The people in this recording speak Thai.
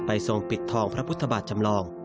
ทรงปิดทองพระพุทธบาทจำลอง